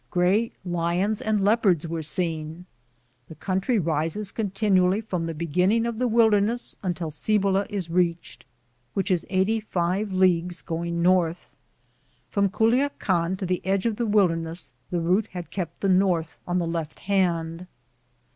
Gray lions and leopards were seen.' The country rises continually from the beginning of the wilderness until Cibola is reached, which is 85 leagues, going north. From Culiacan to the edge of the wilderness the route had kept the north on the left hand.